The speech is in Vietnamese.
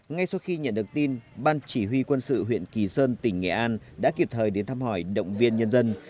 ngay sau khi nhận được tin ban chỉ huy quân sự huyện kỳ sơn tỉnh nghệ an đã kịp thời đến thăm hỏi động viên nhân dân